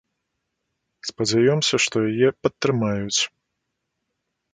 Спадзяёмся, што яе падтрымаюць.